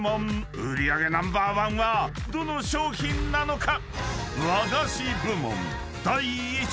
［売り上げナンバーワンはどの商品なのか？］